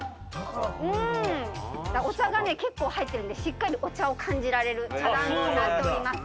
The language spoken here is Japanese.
お茶が結構入ってるんでしっかりお茶を感じられる茶だんごになっております。